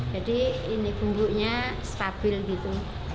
jadi ini bumbunya stabil gitu